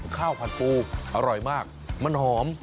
ผัดปูอร่อยมากมันหอม